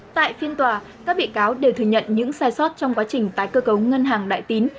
tại phiên tòa các bị cáo đều thừa nhận những sai sót trong quá trình tái cơ cấu ngân hàng đại tín